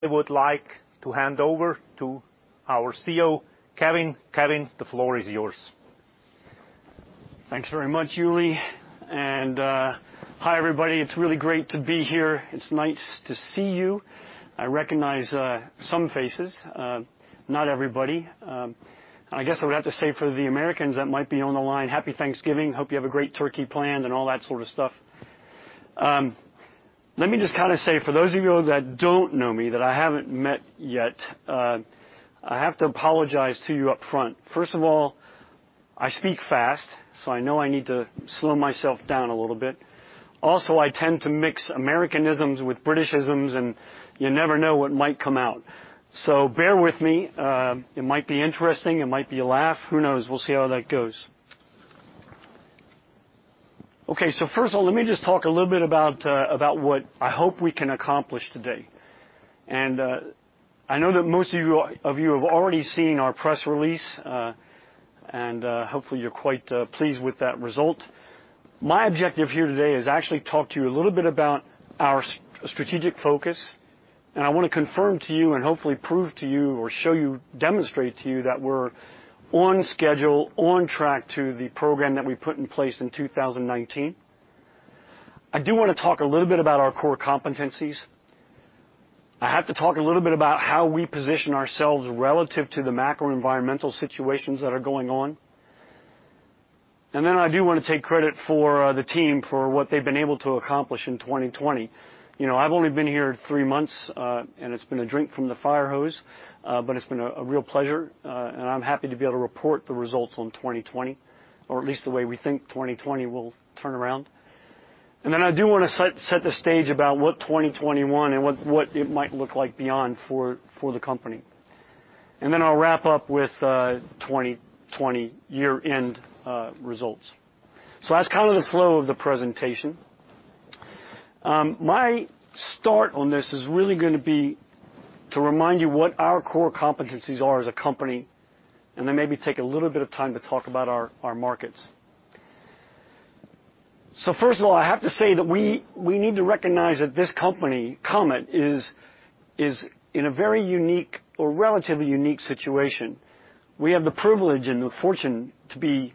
I would like to hand over to our CEO, Kevin. Kevin, the floor is yours. Thanks very much, Juli, and hi, everybody. It's really great to be here. It's nice to see you. I recognize some faces, not everybody. I guess I would have to say for the Americans that might be on the line, Happy Thanksgiving. Hope you have a great turkey planned and all that sort of stuff. Let me just say, for those of you that don't know me, that I haven't met yet, I have to apologize to you up front. First of all, I speak fast. I know I need to slow myself down a little bit. Also, I tend to mix Americanisms with Britishisms. You never know what might come out. Bear with me. It might be interesting, it might be a laugh. Who knows? We'll see how that goes. Okay, first of all, let me just talk a little bit about what I hope we can accomplish today. I know that most of you have already seen our press release, and hopefully, you're quite pleased with that result. My objective here today is actually talk to you a little bit about our strategic focus, and I want to confirm to you and hopefully prove to you or show you, demonstrate to you that we're on schedule, on track to the program that we put in place in 2019. I do want to talk a little bit about our core competencies. I have to talk a little bit about how we position ourselves relative to the macro environmental situations that are going on. I do want to take credit for the team for what they've been able to accomplish in 2020. I've only been here three months, and it's been a drink from the fire hose, but it's been a real pleasure. I'm happy to be able to report the results on 2020, or at least the way we think 2020 will turn around. I do want to set the stage about what 2021 and what it might look like beyond for the company. I'll wrap up with 2020 year-end results. That's the flow of the presentation. My start on this is really going to be to remind you what our core competencies are as a company, and then maybe take a little bit of time to talk about our markets. First of all, I have to say that we need to recognize that this company, Comet, is in a very unique or relatively unique situation. We have the privilege and the fortune to be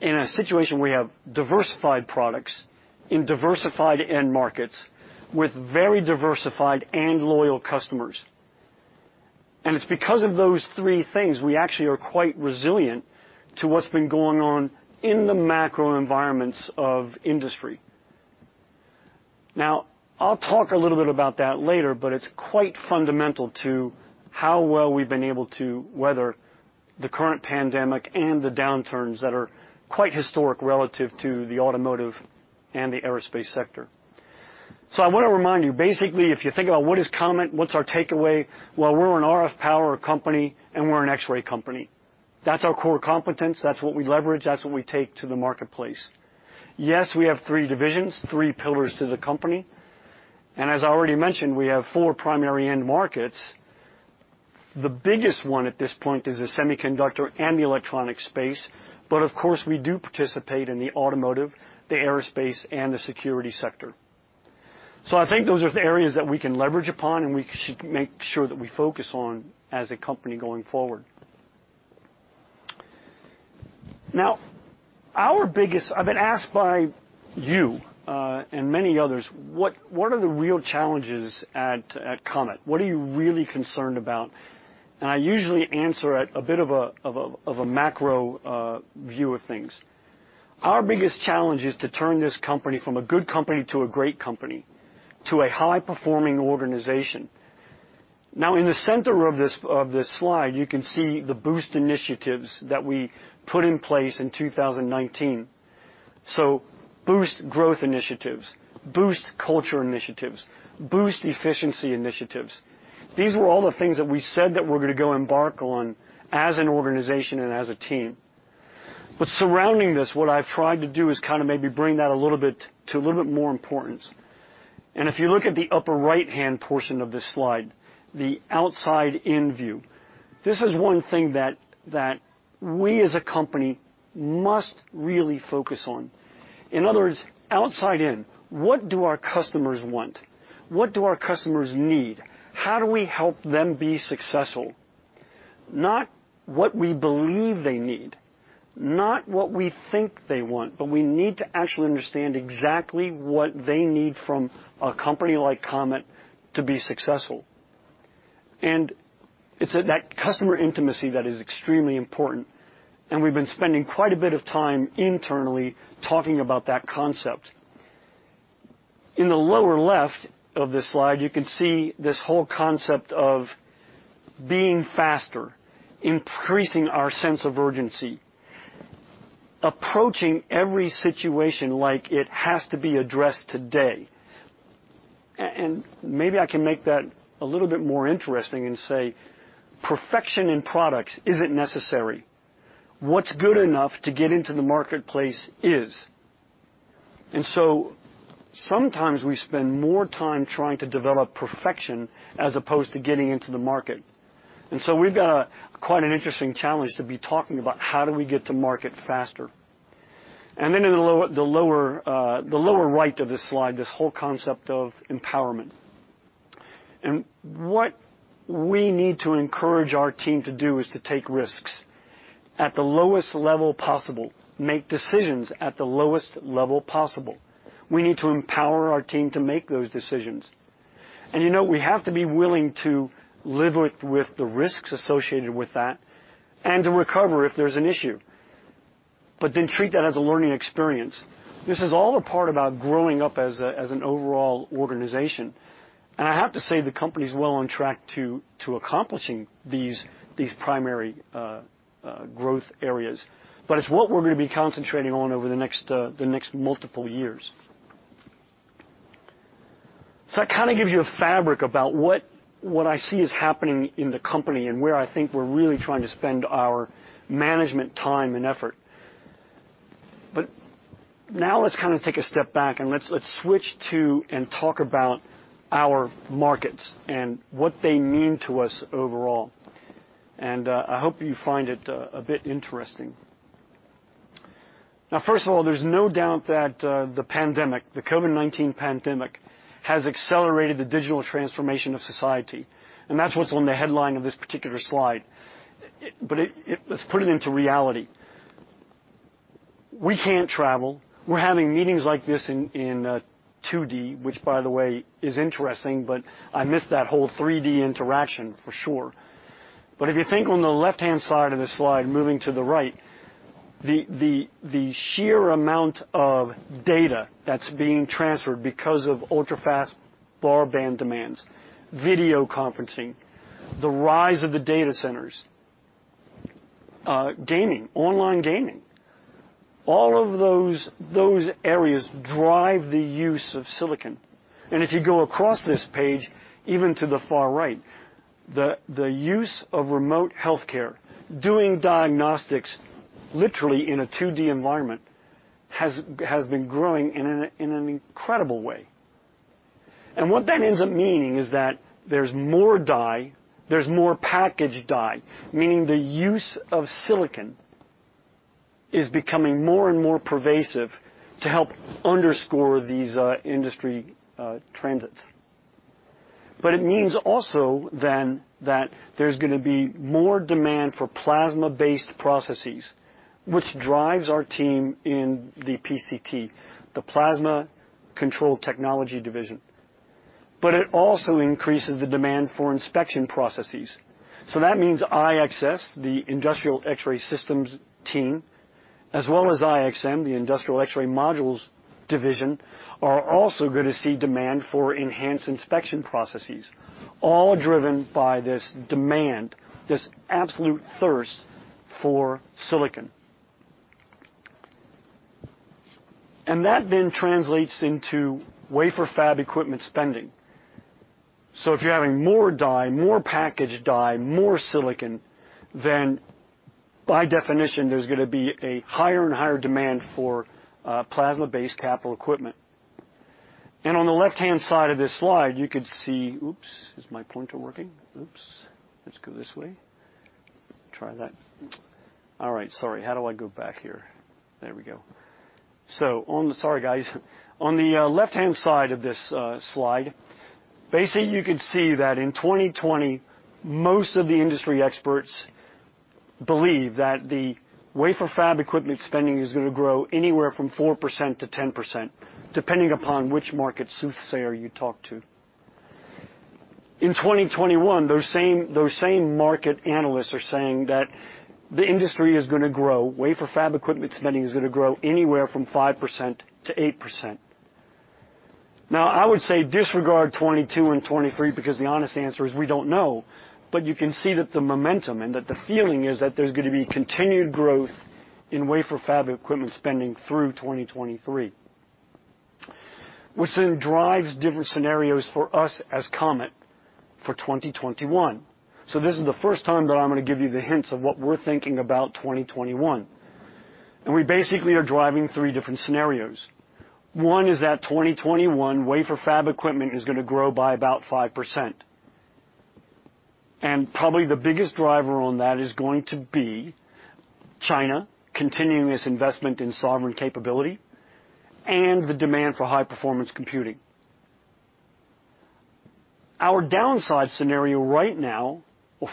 in a situation where we have diversified products in diversified end markets with very diversified and loyal customers. It's because of those three things, we actually are quite resilient to what's been going on in the macro environments of industry. I'll talk a little bit about that later, but it's quite fundamental to how well we've been able to weather the current pandemic and the downturns that are quite historic relative to the automotive and the aerospace sector. I want to remind you, basically, if you think about what is Comet, what's our takeaway, well, we're an RF power company, and we're an X-ray company. That's our core competence. That's what we leverage. That's what we take to the marketplace. Yes, we have three divisions, three pillars to the company, and as I already mentioned, we have four primary end markets. The biggest one at this point is the semiconductor and the electronic space, but of course, we do participate in the automotive, the aerospace, and the security sector. I think those are the areas that we can leverage upon, and we should make sure that we focus on as a company going forward. I've been asked by you, and many others, what are the real challenges at Comet? What are you really concerned about? I usually answer at a bit of a macro view of things. Our biggest challenge is to turn this company from a good company to a great company, to a high-performing organization. In the center of this slide, you can see the Boost initiatives that we put in place in 2019. Boost growth initiatives, Boost culture initiatives, Boost efficiency initiatives. These were all the things that we said that we're going to go embark on as an organization and as a team. Surrounding this, what I've tried to do is maybe bring that to a little bit more importance. If you look at the upper right-hand portion of this slide, the outside-in view. This is one thing that we as a company must really focus on. In other words, outside in, what do our customers want? What do our customers need? How do we help them be successful? Not what we believe they need, not what we think they want, but we need to actually understand exactly what they need from a company like Comet to be successful. It's that customer intimacy that is extremely important, and we've been spending quite a bit of time internally talking about that concept. In the lower left of this slide, you can see this whole concept of being faster, increasing our sense of urgency, approaching every situation like it has to be addressed today. Maybe I can make that a little bit more interesting and say perfection in products isn't necessary. What's good enough to get into the marketplace is. Sometimes we spend more time trying to develop perfection as opposed to getting into the market. We've got quite an interesting challenge to be talking about how do we get to market faster. In the lower right of this slide, this whole concept of empowerment. What we need to encourage our team to do is to take risks at the lowest level possible, make decisions at the lowest level possible. We need to empower our team to make those decisions. We have to be willing to live with the risks associated with that, and to recover if there's an issue, but then treat that as a learning experience. This is all a part about growing up as an overall organization. I have to say the company's well on track to accomplishing these primary growth areas, but it's what we're going to be concentrating on over the next multiple years. That kind of gives you a fabric about what I see is happening in the company and where I think we're really trying to spend our management time and effort. Now let's take a step back and let's switch to and talk about our markets and what they mean to us overall. I hope you find it a bit interesting. Now, first of all, there's no doubt that the COVID-19 pandemic has accelerated the digital transformation of society, and that's what's on the headline of this particular slide. Let's put it into reality. We can't travel. We're having meetings like this in 2D, which by the way is interesting, but I miss that whole 3D interaction for sure. If you think on the left-hand side of the slide, moving to the right, the sheer amount of data that's being transferred because of ultra-fast broadband demands, video conferencing, the rise of the data centers, gaming, online gaming, all of those areas drive the use of silicon. If you go across this page, even to the far right, the use of remote healthcare, doing diagnostics literally in a 2D environment, has been growing in an incredible way. What that ends up meaning is that there's more die, there's more packaged die, meaning the use of silicon is becoming more and more pervasive to help underscore these industry trends. It means also then that there's going to be more demand for plasma-based processes, which drives our team in the PCT, the Plasma Control Technologies division. It also increases the demand for inspection processes. That means IXS, the Industrial X-Ray Systems team, as well as IXM, the Industrial X-Ray Modules division, are also going to see demand for enhanced inspection processes, all driven by this demand, this absolute thirst for silicon. That then translates into wafer fab equipment spending. If you're having more die, more packaged die, more silicon, then by definition, there's going to be a higher and higher demand for plasma-based capital equipment. On the left-hand side of this slide, you could see, oops. Is my pointer working? Oops. Let's go this way. Try that. All right. Sorry, how do I go back here? There we go. Sorry, guys. On the left-hand side of this slide, basically, you could see that in 2020, most of the industry experts believe that the wafer fab equipment spending is going to grow anywhere from 4% to 10%, depending upon which market soothsayer you talk to. In 2021, those same market analysts are saying that the industry is going to grow, wafer fab equipment spending is going to grow anywhere from 5% to 8%. I would say disregard 2022 and 2023 because the honest answer is we don't know, but you can see that the momentum and that the feeling is that there's going to be continued growth in wafer fab equipment spending through 2023, which then drives different scenarios for us as Comet for 2021. This is the first time that I'm going to give you the hints of what we're thinking about 2021. We basically are driving three different scenarios. One is that 2021 wafer fab equipment is going to grow by about 5%. Probably the biggest driver on that is going to be China continuing its investment in sovereign capability and the demand for high-performance computing. Our downside scenario right now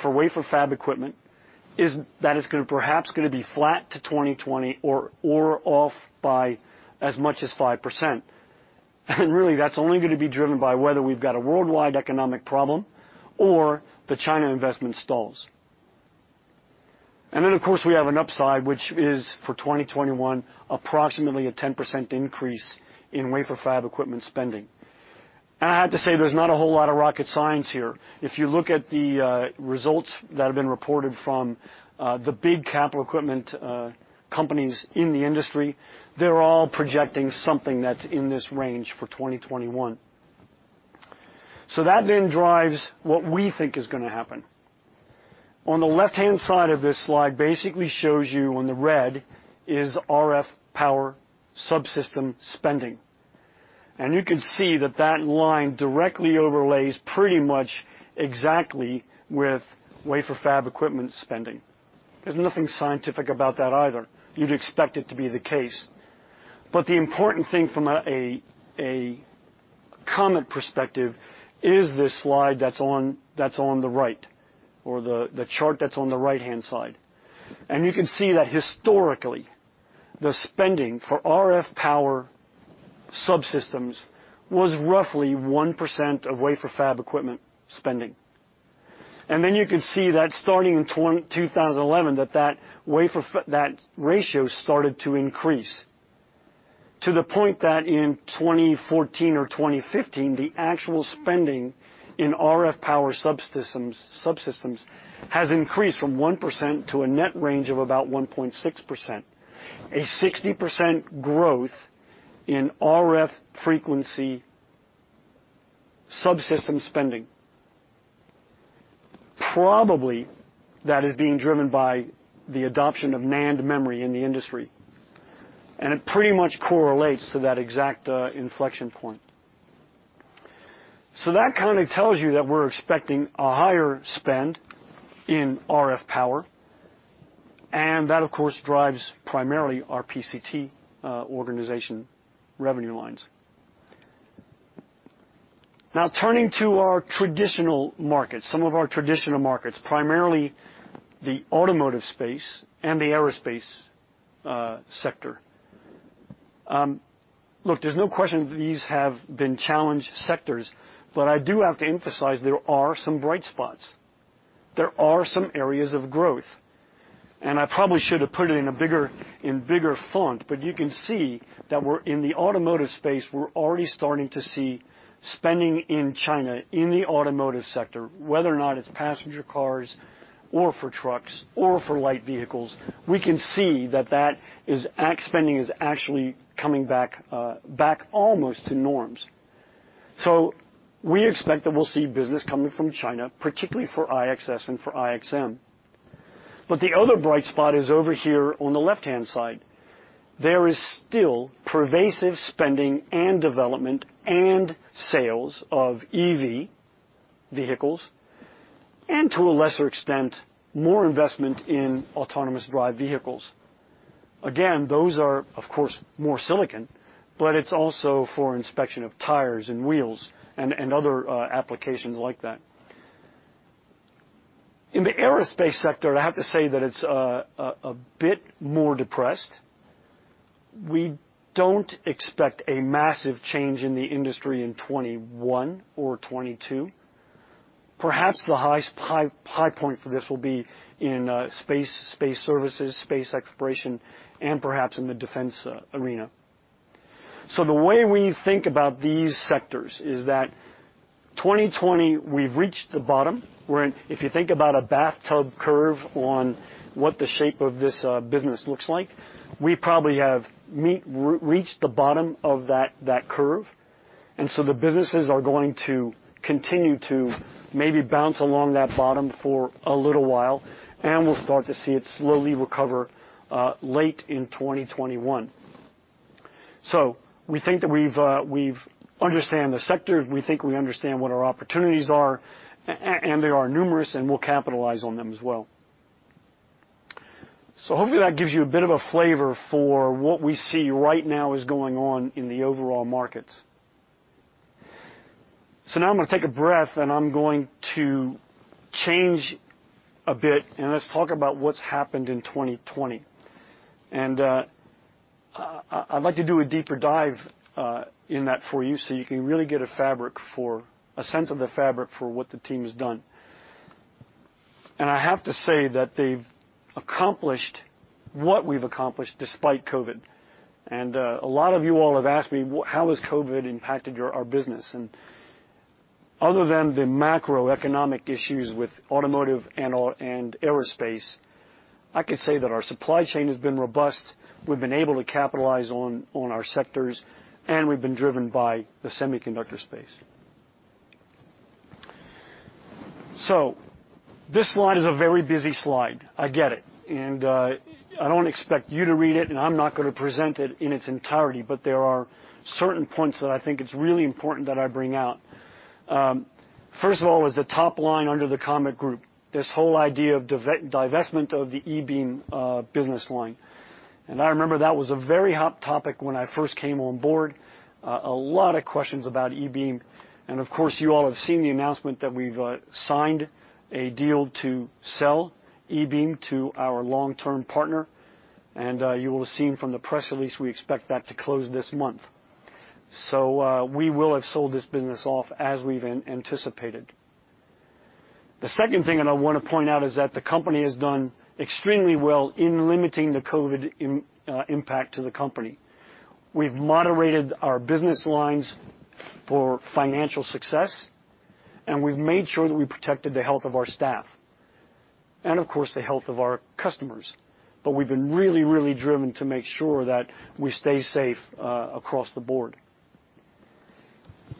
for wafer fab equipment is that it's perhaps going to be flat to 2020 or off by as much as 5%. That's only going to be driven by whether we've got a worldwide economic problem or the China investment stalls. Of course, we have an upside, which is for 2021, approximately a 10% increase in wafer fab equipment spending. I have to say, there's not a whole lot of rocket science here. If you look at the results that have been reported from the big capital equipment companies in the industry, they're all projecting something that's in this range for 2021. That drives what we think is going to happen. On the left-hand side of this slide basically shows you on the red is RF power subsystem spending. You can see that that line directly overlays pretty much exactly with wafer fab equipment spending. There's nothing scientific about that either. You'd expect it to be the case. The important thing from a Comet perspective is this slide that's on the right, or the chart that's on the right-hand side. You can see that historically, the spending for RF power subsystems was roughly 1% of wafer fab equipment spending. Then you can see that starting in 2011, that ratio started to increase, to the point that in 2014 or 2015, the actual spending in RF power subsystems has increased from 1% to a net range of about 1.6%, a 60% growth in RF frequency subsystem spending. Probably that is being driven by the adoption of NAND memory in the industry. It pretty much correlates to that exact inflection point. That kind of tells you that we're expecting a higher spend in RF power, and that of course, drives primarily our PCT organization revenue lines. Turning to our traditional markets, some of our traditional markets, primarily the automotive space and the aerospace sector. Look, there's no question these have been challenged sectors, I do have to emphasize there are some bright spots. There are some areas of growth. I probably should have put it in bigger font, you can see that in the automotive space, we're already starting to see spending in China, in the automotive sector, whether or not it's passenger cars or for trucks or for light vehicles. We can see that spending is actually coming back almost to norms. We expect that we'll see business coming from China, particularly for IXS and for IXM. The other bright spot is over here on the left-hand side. There is still pervasive spending and development and sales of EV vehicles, and to a lesser extent, more investment in autonomous drive vehicles. Those are, of course, more silicon, but it's also for inspection of tires and wheels and other applications like that. In the aerospace sector, I have to say that it's a bit more depressed. We don't expect a massive change in the industry in 2021 or 2022. Perhaps the high point for this will be in space services, space exploration, and perhaps in the defense arena. The way we think about these sectors is that 2020, we've reached the bottom, where if you think about a bathtub curve on what the shape of this business looks like, we probably have reached the bottom of that curve. The businesses are going to continue to maybe bounce along that bottom for a little while, and we'll start to see it slowly recover late in 2021. We think that we understand the sector. We think we understand what our opportunities are, and they are numerous, and we'll capitalize on them as well. Hopefully that gives you a bit of a flavor for what we see right now is going on in the overall markets. Now I'm going to take a breath and I'm going to change a bit, and let's talk about what's happened in 2020. I'd like to do a deeper dive in that for you so you can really get a sense of the fabric for what the team's done. I have to say that they've accomplished what we've accomplished despite COVID. A lot of you all have asked me, how has COVID impacted our business? Other than the macroeconomic issues with automotive and aerospace, I could say that our supply chain has been robust. We've been able to capitalize on our sectors, and we've been driven by the semiconductor space. This slide is a very busy slide. I get it. I don't expect you to read it, and I'm not going to present it in its entirety, but there are certain points that I think it's really important that I bring out. First of all is the top line under the Comet Group, this whole idea of divestment of the ebeam business line. I remember that was a very hot topic when I first came on board. A lot of questions about ebeam. Of course, you all have seen the announcement that we've signed a deal to sell ebeam to our long-term partner. You will have seen from the press release, we expect that to close this month. We will have sold this business off as we've anticipated. The second thing that I want to point out is that the company has done extremely well in limiting the COVID impact to the company. We've moderated our business lines for financial success, and we've made sure that we protected the health of our staff and of course, the health of our customers. We've been really driven to make sure that we stay safe across the board.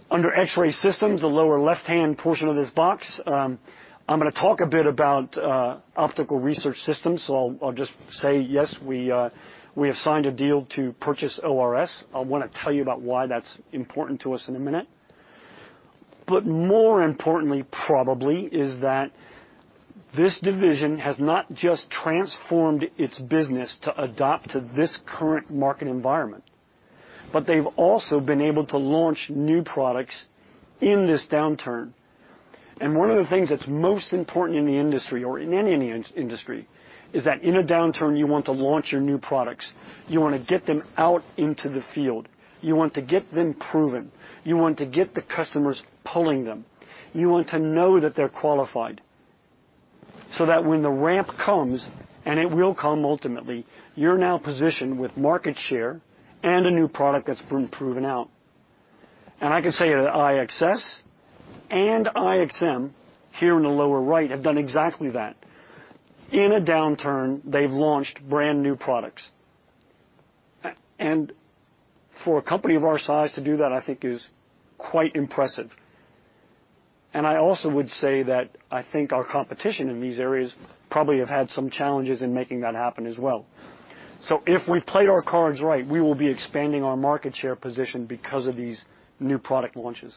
Under X-Ray Systems, the lower left-hand portion of this box, I'm going to talk a bit about Object Research Systems. I'll just say, yes, we have signed a deal to purchase ORS. I want to tell you about why that's important to us in a minute. More importantly, probably, is that this division has not just transformed its business to adapt to this current market environment, but they've also been able to launch new products in this downturn. One of the things that's most important in the industry or in any industry is that in a downturn, you want to launch your new products. You want to get them out into the field. You want to get them proven. You want to get the customers pulling them. You want to know that they're qualified, so that when the ramp comes, and it will come ultimately, you're now positioned with market share and a new product that's been proven out. I can say that IXS and IXM, here in the lower right, have done exactly that. In a downturn, they've launched brand-new products. For a company of our size to do that, I think is quite impressive. I also would say that I think our competition in these areas probably have had some challenges in making that happen as well. If we played our cards right, we will be expanding our market share position because of these new product launches.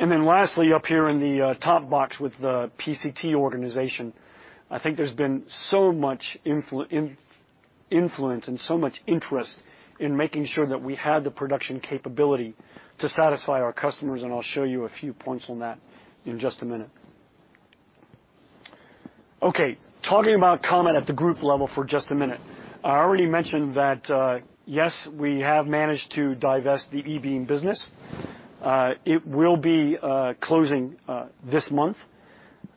Lastly, up here in the top box with the PCT organization, I think there's been so much influence and so much interest in making sure that we had the production capability to satisfy our customers, and I'll show you a few points on that in just a minute. Talking about Comet at the group level for just a minute. I already mentioned that, yes, we have managed to divest the ebeam business. It will be closing this month.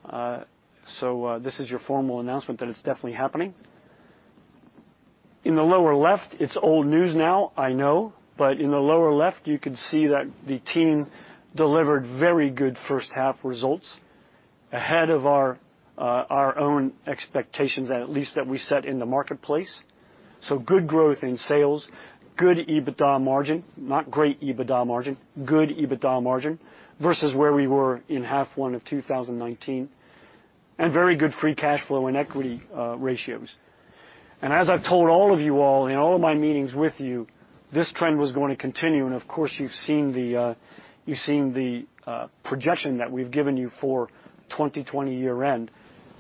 This is your formal announcement that it's definitely happening. In the lower left, it's old news now, I know, but in the lower left, you can see that the team delivered very good first half results ahead of our own expectations, at least that we set in the marketplace. Good growth in sales, good EBITDA margin, not great EBITDA margin, good EBITDA margin versus where we were in half one of 2019, and very good free cash flow and equity ratios. As I've told all of you all in all of my meetings with you, this trend was going to continue, and of course, you've seen the projection that we've given you for 2020 year-end,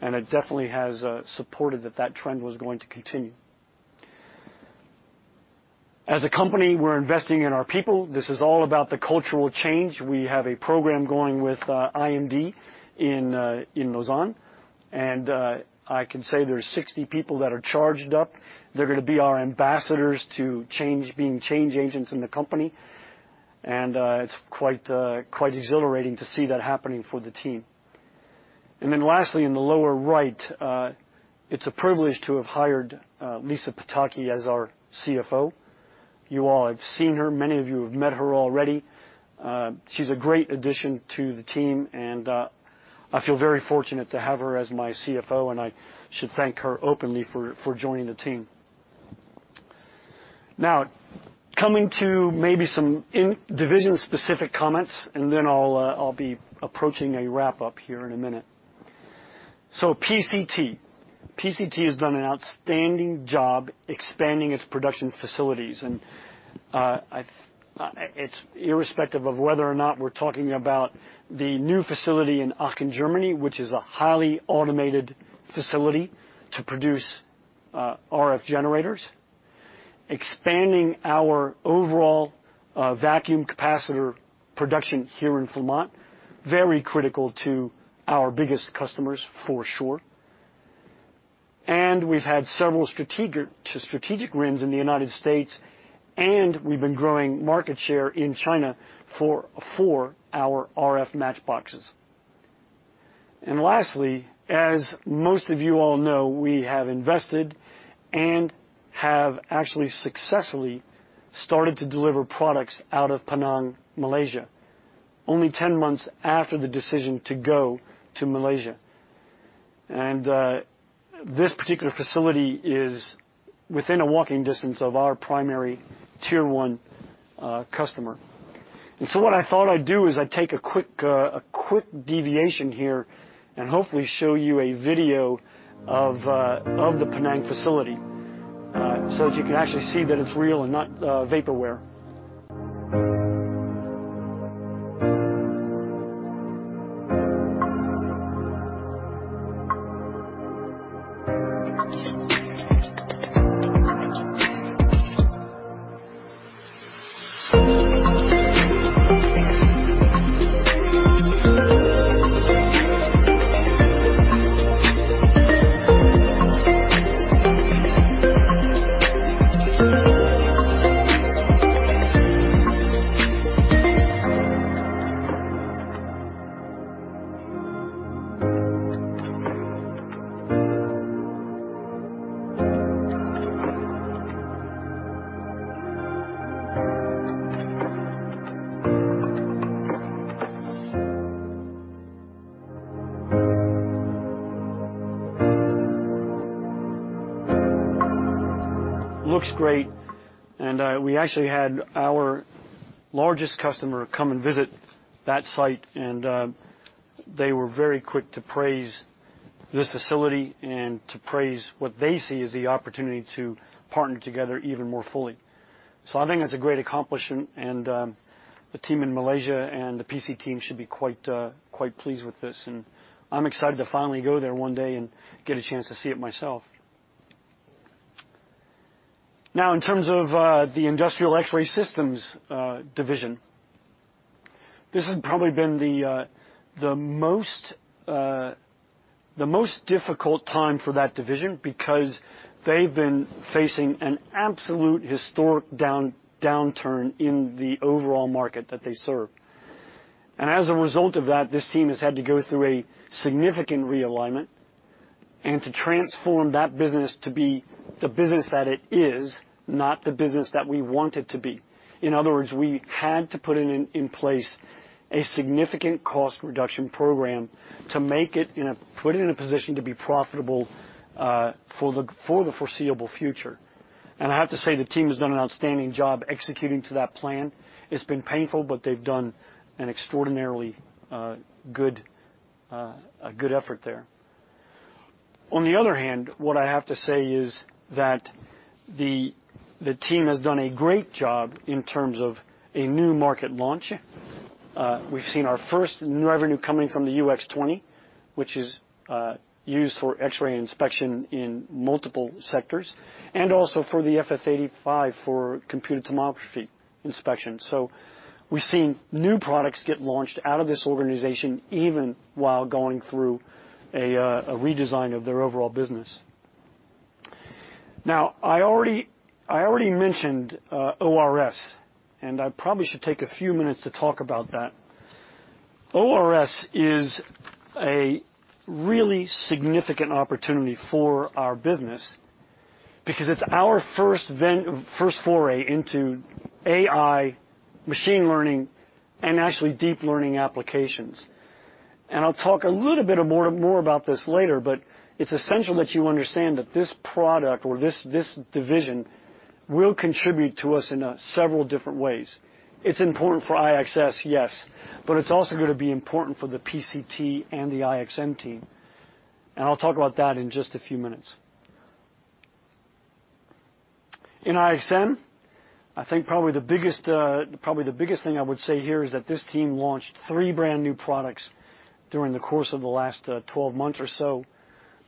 and it definitely has supported that trend was going to continue. As a company, we're investing in our people. This is all about the cultural change. We have a program going with IMD in Lausanne. I can say there's 60 people that are charged up. They're going to be our ambassadors to being change agents in the company. It's quite exhilarating to see that happening for the team. Lastly, in the lower right, it's a privilege to have hired Lisa Pataki as our CFO. You all have seen her. Many of you have met her already. She's a great addition to the team. I feel very fortunate to have her as my CFO. I should thank her openly for joining the team. Coming to maybe some division-specific comments, I'll be approaching a wrap-up here in a minute. PCT. PCT has done an outstanding job expanding its production facilities. It's irrespective of whether or not we're talking about the new facility in Aachen, Germany, which is a highly automated facility to produce RF generators, expanding our overall vacuum capacitor production here in Fremont, very critical to our biggest customers, for sure. We've had several strategic wins in the U.S., and we've been growing market share in China for our RF match boxes. Lastly, as most of you all know, we have invested and have actually successfully started to deliver products out of Penang, Malaysia, only 10 months after the decision to go to Malaysia. This particular facility is within a walking distance of our primary tier 1 customer. What I thought I'd do is I'd take a quick deviation here and hopefully show you a video of the Penang facility, so that you can actually see that it's real and not vaporware. Looks great. We actually had our largest customer come and visit that site, and they were very quick to praise this facility and to praise what they see as the opportunity to partner together even more fully. I think it's a great accomplishment, and the team in Malaysia and the PCT team should be quite pleased with this. I'm excited to finally go there one day and get a chance to see it myself. Now, in terms of the Industrial X-Ray Systems division, this has probably been the most difficult time for that division, because they've been facing an absolute historic downturn in the overall market that they serve. As a result of that, this team has had to go through a significant realignment, and to transform that business to be the business that it is, not the business that we want it to be. In other words, we had to put in place a significant cost reduction program to put it in a position to be profitable for the foreseeable future. I have to say, the team has done an outstanding job executing to that plan. It's been painful, but they've done an extraordinarily good effort there. On the other hand, what I have to say is that the team has done a great job in terms of a new market launch. We've seen our first new revenue coming from the UX20, which is used for X-ray inspection in multiple sectors. Also for the FF85 for computed tomography inspection. We're seeing new products get launched out of this organization, even while going through a redesign of their overall business. I already mentioned ORS, and I probably should take a few minutes to talk about that. ORS is a really significant opportunity for our business, because it's our first foray into AI, machine learning, and actually deep learning applications. I'll talk a little bit more about this later, but it's essential that you understand that this product or this division will contribute to us in several different ways. It's important for IXS, yes, but it's also going to be important for the PCT and the IXM team, and I'll talk about that in just a few minutes. In IXM, I think probably the biggest thing I would say here is that this team launched three brand-new products during the course of the last 12 months or so.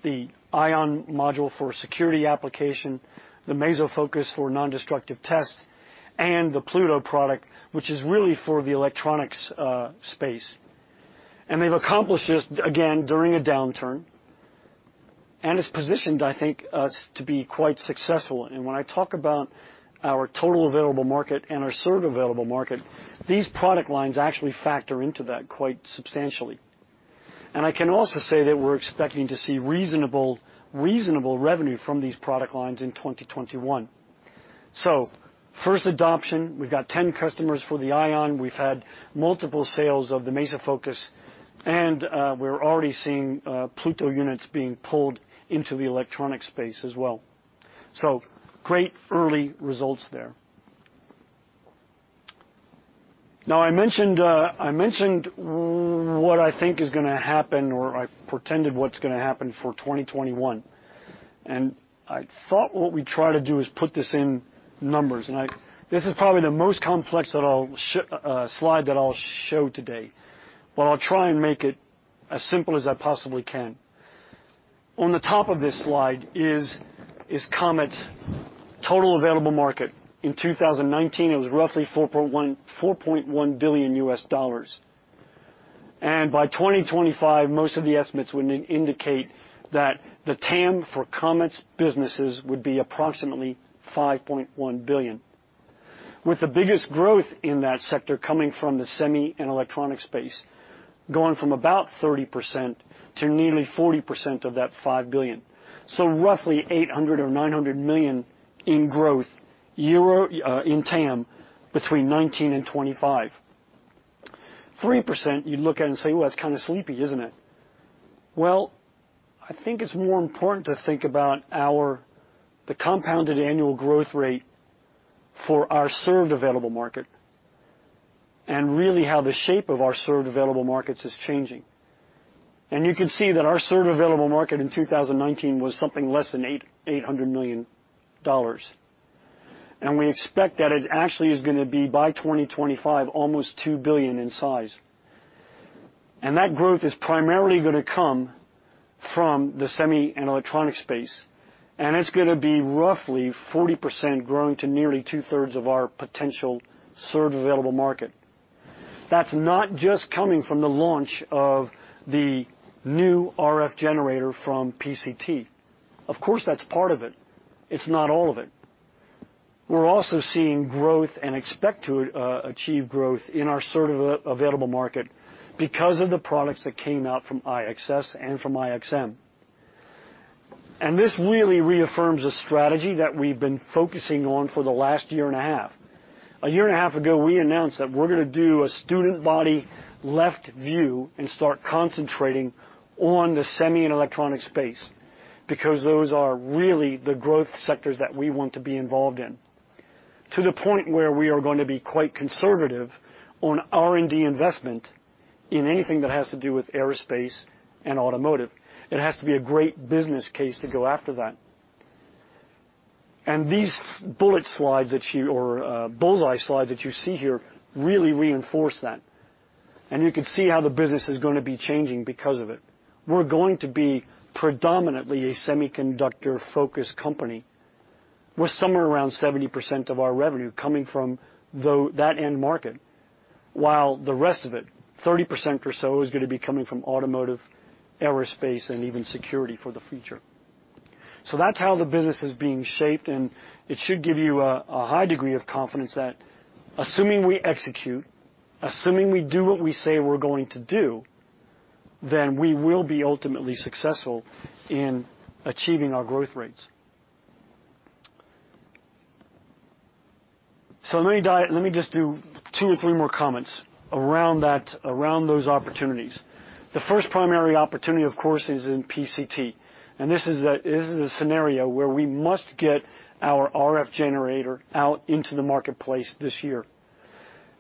The ION module for security application, the MesoFocus for nondestructive tests, and the Pluto product, which is really for the electronics space. They've accomplished this, again, during a downturn, and it's positioned, I think, us to be quite successful. When I talk about our total available market and our served available market, these product lines actually factor into that quite substantially. I can also say that we're expecting to see reasonable revenue from these product lines in 2021. First adoption, we've got 10 customers for the ION. We've had multiple sales of the MesoFocus, and we're already seeing Pluto units being pulled into the electronic space as well. Great early results there. I mentioned what I think is going to happen, or I pretended what's going to happen for 2021. I thought what we'd try to do is put this in numbers, and this is probably the most complex slide that I'll show today. I'll try and make it as simple as I possibly can. On the top of this slide is Comet's TAM. In 2019, it was roughly $4.1 billion. By 2025, most of the estimates would indicate that the TAM for Comet's businesses would be approximately $5.1 billion, with the biggest growth in that sector coming from the semi and electronic space, going from about 30% to nearly 40% of that $5 billion. Roughly $800 million or $900 million in TAM between 2019 and 2025. 3%, you'd look at it and say, "Well, that's kind of sleepy, isn't it?" I think it's more important to think about the CAGR for our served available market, and really how the shape of our served available markets is changing. You can see that our served available market in 2019 was something less than CHF 800 million. We expect that it actually is going to be, by 2025, almost 2 billion in size. That growth is primarily going to come from the semi and electronic space, and it's going to be roughly 40% growing to nearly 2/3 of our potential served available market. That's not just coming from the launch of the new RF generator from PCT. Of course, that's part of it. It's not all of it. We're also seeing growth and expect to achieve growth in our served available market because of the products that came out from IXS and from IXM. This really reaffirms a strategy that we've been focusing on for the last year and a half. A year and a half ago, we announced that we're going to do a student body left and start concentrating on the semi and electronic space, because those are really the growth sectors that we want to be involved in, to the point where we are going to be quite conservative on R&D investment in anything that has to do with aerospace and automotive. It has to be a great business case to go after that. These bullet slides or bullseye slides that you see here really reinforce that. You can see how the business is going to be changing because of it. We're going to be predominantly a semiconductor-focused company, with somewhere around 70% of our revenue coming from that end market, while the rest of it, 30% or so, is going to be coming from automotive, aerospace, and even security for the future. That's how the business is being shaped, and it should give you a high degree of confidence that assuming we execute, assuming we do what we say we're going to do, then we will be ultimately successful in achieving our growth rates. Let me just do two or three more comments around those opportunities. The first primary opportunity, of course, is in PCT, and this is a scenario where we must get our RF generator out into the marketplace this year.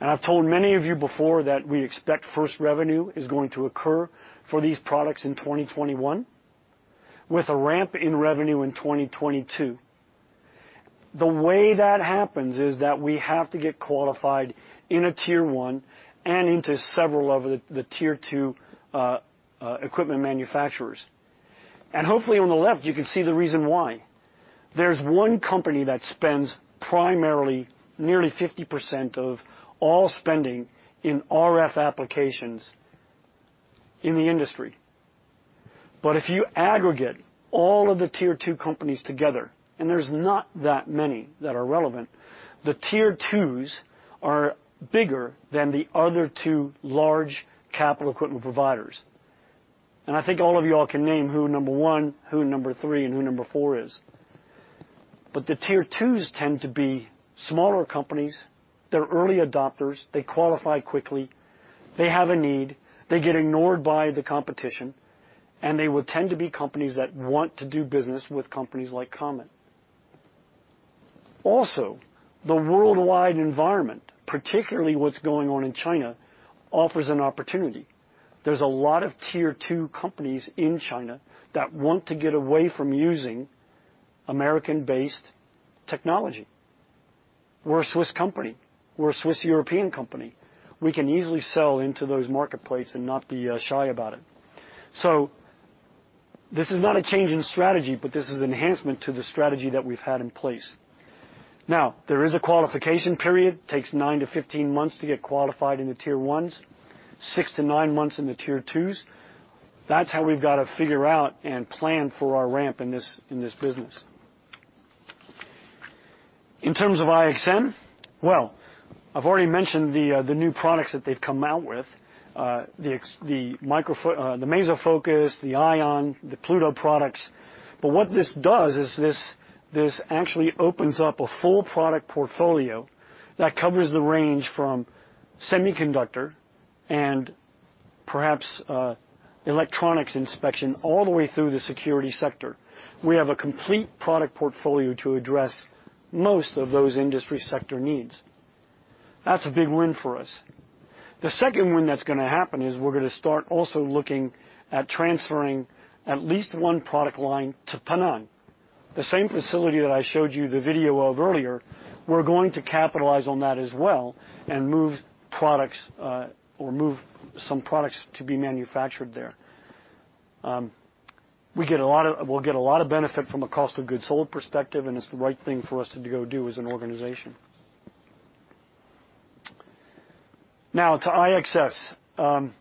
I've told many of you before that we expect first revenue is going to occur for these products in 2021, with a ramp in revenue in 2022. The way that happens is that we have to get qualified in a tier 1 and into several of the tier 2 equipment manufacturers. Hopefully on the left, you can see the reason why. There's one company that spends primarily nearly 50% of all spending in RF applications in the industry. If you aggregate all of the tier 2 companies together, and there's not that many that are relevant, the tier 2s are bigger than the other two large capital equipment providers. I think all of you all can name who number one, who number three, and who number four is. The tier 2s tend to be smaller companies. They're early adopters. They qualify quickly. They have a need. They get ignored by the competition, they will tend to be companies that want to do business with companies like Comet. The worldwide environment, particularly what's going on in China, offers an opportunity. There's a lot of tier 2 companies in China that want to get away from using American-based technology. We're a Swiss company. We're a Swiss European company. We can easily sell into those marketplaces and not be shy about it. This is not a change in strategy, but this is an enhancement to the strategy that we've had in place. There is a qualification period. Takes 9-15 months to get qualified in the tier 1s, six to nine months in the tier 2s. That's how we've got to figure out and plan for our ramp in this business. In terms of IXM, well, I've already mentioned the new products that they've come out with, the MesoFocus, the ION, the Pluto products. What this does is this actually opens up a full product portfolio that covers the range from semiconductor and perhaps electronics inspection all the way through the security sector. We have a complete product portfolio to address most of those industry sector needs. That's a big win for us. The second win that's going to happen is we're going to start also looking at transferring at least one product line to Penang, the same facility that I showed you the video of earlier. We're going to capitalize on that as well and move products or move some products to be manufactured there. We'll get a lot of benefit from a cost of goods sold perspective, and it's the right thing for us to go do as an organization. Now to IXS.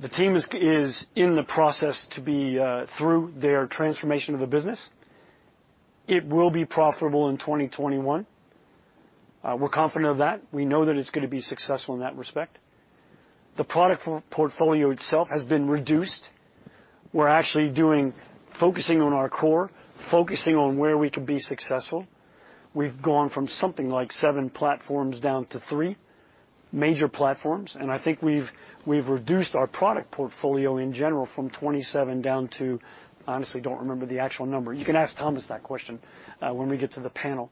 The team is in the process to be through their transformation of the business. It will be profitable in 2021. We're confident of that. We know that it's going to be successful in that respect. The product portfolio itself has been reduced. We're actually focusing on our core, focusing on where we can be successful. We've gone from something like seven platforms down to three major platforms, and I think we've reduced our product portfolio in general from 27 down to, I honestly don't remember the actual number. You can ask Thomas that question when we get to the panel.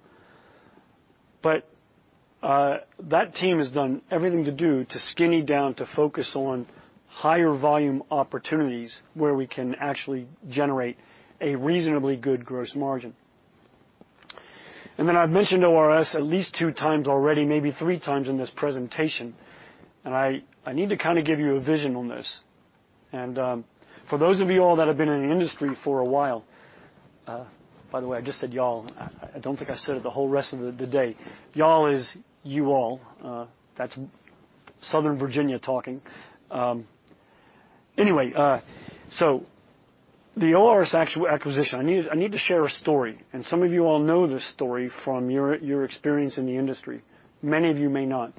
That team has done everything to do to skinny down to focus on higher volume opportunities where we can actually generate a reasonably good gross margin. I've mentioned ORS at least two times already, maybe three times in this presentation, and I need to kind of give you a vision on this. For those of you all that have been in the industry for a while. By the way, I just said "y'all." I don't think I said it the whole rest of the day. Y'all is you all. That's Southern Virginia talking. The ORS acquisition, I need to share a story, and some of you all know this story from your experience in the industry. Many of you may not.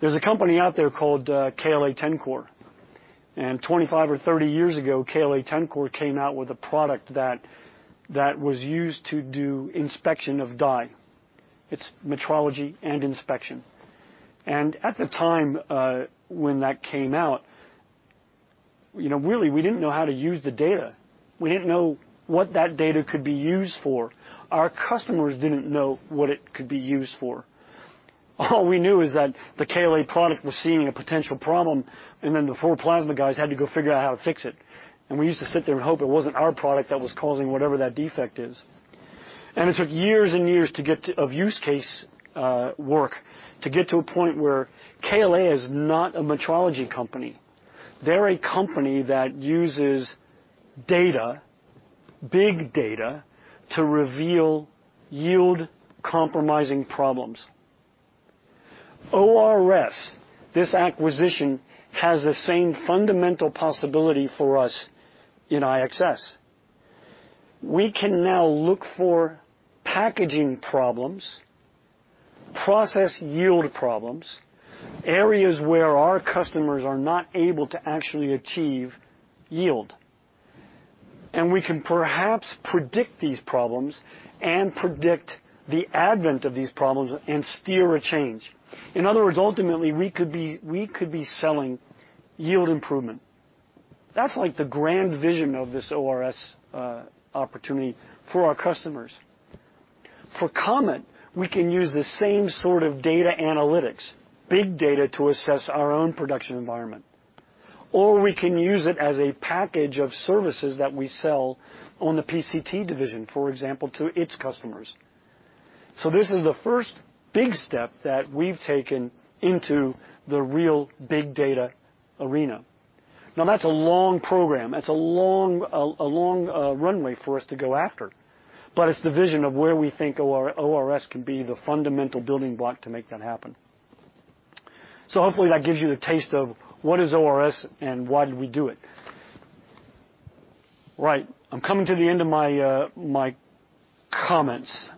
There's a company out there called KLA-Tencor. 25 or 30 years ago, KLA-Tencor came out with a product that was used to do inspection of die. It's metrology and inspection. At the time when that came out, really, we didn't know how to use the data. We didn't know what that data could be used for. Our customers didn't know what it could be used for. All we knew is that the KLA product was seeing a potential problem, then the full plasma guys had to go figure out how to fix it. We used to sit there and hope it wasn't our product that was causing whatever that defect is. It took years and years of use case work to get to a point where KLA is not a metrology company. They're a company that uses data, big data, to reveal yield-compromising problems. ORS, this acquisition, has the same fundamental possibility for us in IXS. We can now look for packaging problems, process yield problems, areas where our customers are not able to actually achieve yield. We can perhaps predict these problems and predict the advent of these problems and steer a change. In other words, ultimately, we could be selling yield improvement. That's the grand vision of this ORS opportunity for our customers. For Comet, we can use the same sort of data analytics, big data, to assess our own production environment. We can use it as a package of services that we sell on the PCT division, for example, to its customers. This is the first big step that we've taken into the real big data arena. That's a long program. That's a long runway for us to go after. It's the vision of where we think ORS can be the fundamental building block to make that happen. Hopefully that gives you the taste of what is ORS and why do we do it. Right. I'm coming to the end of my comments.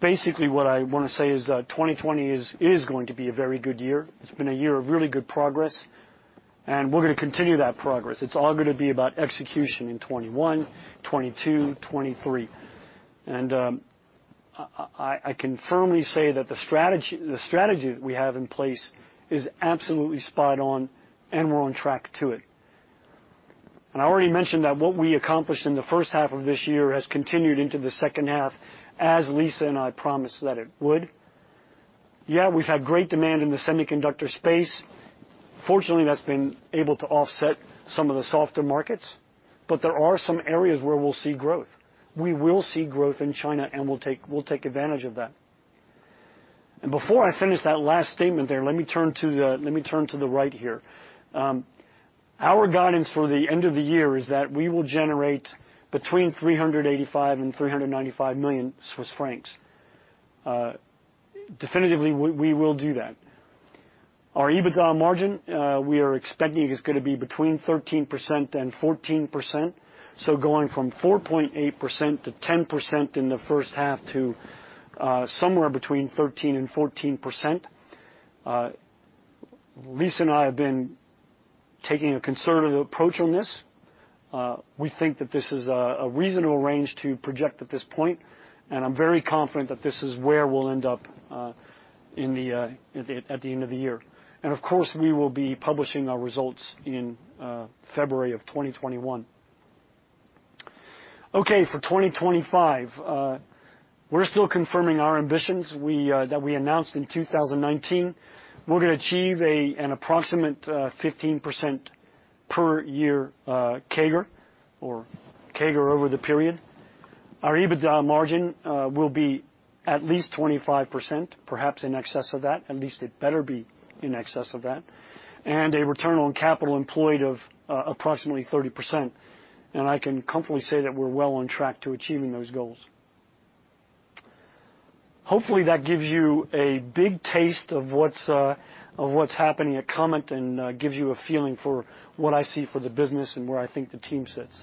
Basically what I want to say is that 2020 is going to be a very good year. It's been a year of really good progress, and we're going to continue that progress. It's all going to be about execution in 2021, 2022, 2023. I can firmly say that the strategy that we have in place is absolutely spot on, and we're on track to it. I already mentioned that what we accomplished in the first half of this year has continued into the second half, as Lisa and I promised that it would. Yeah, we've had great demand in the semiconductor space. Fortunately, that's been able to offset some of the softer markets, but there are some areas where we'll see growth. We will see growth in China, we'll take advantage of that. Before I finish that last statement there, let me turn to the right here. Our guidance for the end of the year is that we will generate between 385 million and 395 million Swiss francs. Definitively, we will do that. Our EBITDA margin, we are expecting it is going to be between 13% and 14%. Going from 4.8% to 10% in the first half to somewhere between 13% and 14%. Lisa and I have been taking a conservative approach on this. We think that this is a reasonable range to project at this point, and I'm very confident that this is where we'll end up at the end of the year. Of course, we will be publishing our results in February of 2021. Okay, for 2025, we're still confirming our ambitions that we announced in 2019. We're going to achieve an approximate 15% per year CAGR or CAGR over the period. Our EBITDA margin will be at least 25%, perhaps in excess of that. At least it better be in excess of that. A return on capital employed of approximately 30%. I can comfortably say that we're well on track to achieving those goals. Hopefully, that gives you a big taste of what's happening at Comet and gives you a feeling for what I see for the business and where I think the team sits.